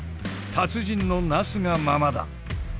達人のなすがままだ。